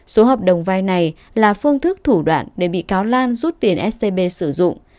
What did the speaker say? số hợp đồng vai này là phương thức thủ đoạn để bị cáo lan rút tiền scb sử dụng